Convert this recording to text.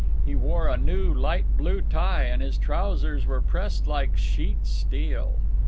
He wore a new light blue tie, and his trousers were pressed like sheet steel.